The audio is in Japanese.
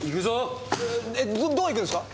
えどこ行くんですか？